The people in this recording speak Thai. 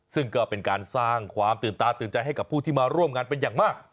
ซึ่งก็เป็นการสร้างความตื่นตาตื่นใจให้กับผู้ที่มาร่วมงานเป็นอย่างมาก